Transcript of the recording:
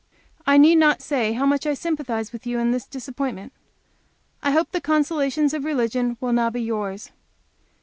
I need not say how much I sympathize with you in this disappointment. I hope the consolations of religion will now be yours.